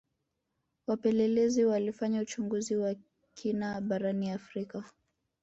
wapelelezi walifanya uchunguzi wa kina barani afrika